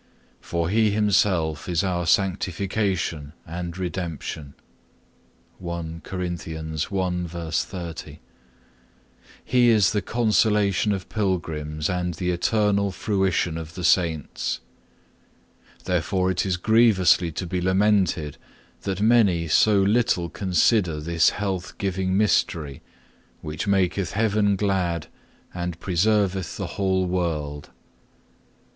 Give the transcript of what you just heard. For He Himself is our sanctification and redemption.(1) He is the consolation of pilgrims and the eternal fruition of the Saints. Therefore it is grievously to be lamented that many so little consider this health giving mystery, which maketh heaven glad and preserveth the whole world.